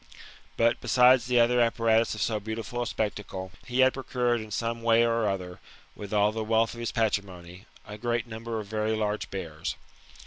^" But, besides the other apparatus of so beautiful a spec tacle, he had procured in some way or other, with all the wealth of his patrimony, a great number of very large bears.